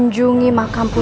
jangan salahkan aku